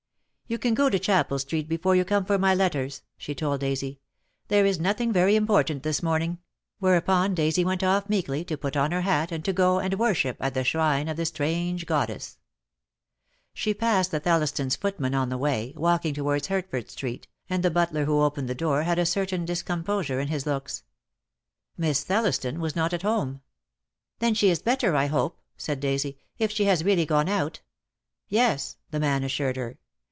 "You can go to Chapel Street before you come for my letters," she told Daisy. "There is no thing very important this morning/' whereupon Daisy went off meekly to put on her hat and to go and worship at the shrine of the strange goddess. She passed the Thellistons' footman on the way, walking towards Hertford Street, and the butler who DEAD LOV^E HAS CHAINS, 26g opened the door had a certain discomposure in his looks. Miss ThelHston was not at home. "Then she is better, I hope," said Daisy, "if she has really gone out." ,','^ "Yes," the man assured her.